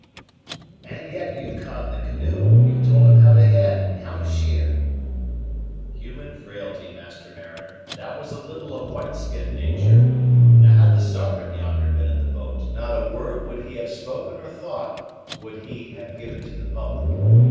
"And yet you conned the canoe; you told him how to head and how to sheer." "Human frailty, master mariner; that was a little of white skin natur'. Now, had the Sarpent, yonder, been in the boat, not a word would he have spoken, or thought would he have given to the public.